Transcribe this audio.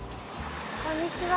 こんにちは。